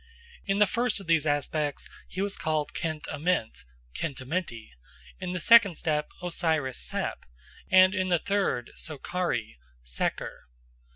In the first of these aspects he was called Chent Ament (Khenti Amenti), in the second Osiris Sep, and in the third Sokari (Seker).